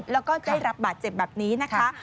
แล้วก็ได้รับบาดเจ็บแบบนี้นะคะ